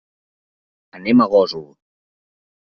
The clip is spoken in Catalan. Anem a Gósol.